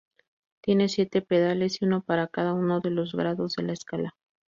Tiene siete pedales, uno para cada uno de los grados de la escala.